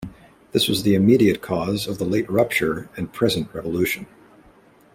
This was the immediate cause of the late rupture and present revolution.